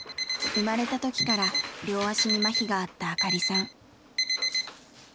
生まれた時から両足にまひがあった明香里さん。